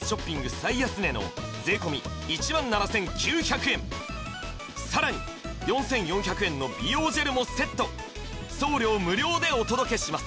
最安値の税込１万７９００円さらに４４００円の美容ジェルもセット送料無料でお届けします